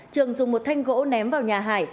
trường dùng một thanh gỗ ném vào nhà hải